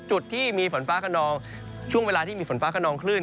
จุดที่มีฝนฟ้าขนองช่วงเวลาที่มีฝนฟ้าขนองคลื่น